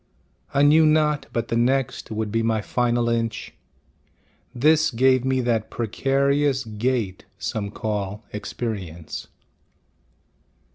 I knew not but the next Would be my final inch, This gave me that precarious gait Some call experience.